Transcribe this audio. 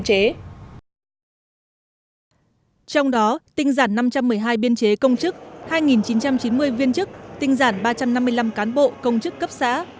trong đó tinh giản năm trăm một mươi hai biên chế công chức hai chín trăm chín mươi viên chức tinh giản ba trăm năm mươi năm cán bộ công chức cấp xã